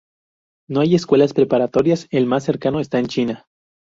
No hay escuelas preparatorias, el más cercano está en China.